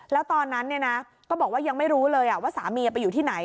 แล้วตอนนั้นก็บอกว่ายังไม่รู้เลยว่าสามีไปอยู่ที่ไหน